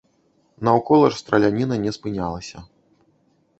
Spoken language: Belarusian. Наўкола ж страляніна не спынялася.